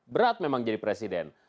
berat memang jadi presiden